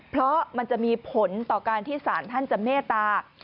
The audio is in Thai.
เพราะมันจะมีผลต่อการที่สารท่านจะเมตตา